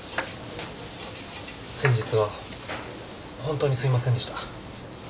先日は本当にすいませんでした。